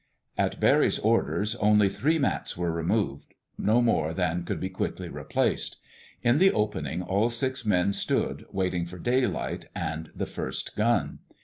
At Barry's orders, only three mats were removed—no more than could be quickly replaced. In the opening all six men stood, waiting for daylight and the first gun.